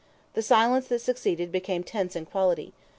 ... The silence that succeeded became tense in quality.